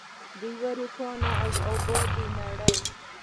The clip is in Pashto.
د یوې روښانه او ابادې نړۍ.